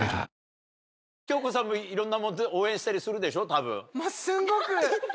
多分。